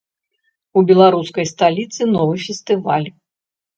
У беларускай сталіцы новы фестываль.